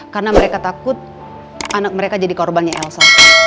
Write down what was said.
karena mereka takut anak mereka jadi korbannya elsa